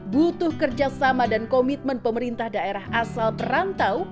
butuh kerjasama dan komitmen pemerintah daerah asal perantau